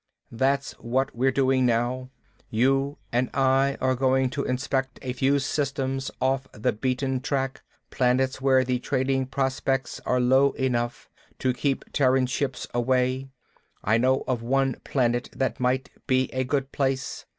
"That's what we're doing now. You and I are going to inspect a few systems off the beaten path, planets where the trading prospects are low enough to keep Terran ships away. I know of one planet that might be a good place.